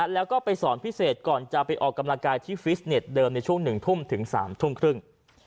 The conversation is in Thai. แล้วก็ไปสอนพิเศษก่อนจะไปออกกำลังกายที่ฟิสเน็ตเดิมในช่วง๑ทุ่มถึง๓ทุ่มครึ่ง